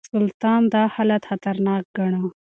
سلطان دا حالت خطرناک ګاڼه.